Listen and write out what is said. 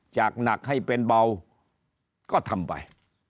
จากหนักให้เป็นเบาก็ทำไป